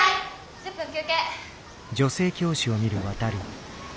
１０分休憩。